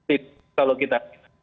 itu kalau kita